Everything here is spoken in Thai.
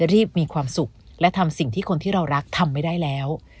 รีบมีความสุขและทำสิ่งที่คนที่เรารักทำไม่ได้แล้ว